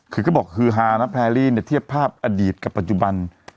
คือก็บอกฮือฮานะแพรรี่เนี่ยเทียบภาพอดีตกับปัจจุบัน